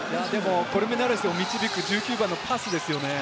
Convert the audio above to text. コルメナレスを導く１９番のパスですね。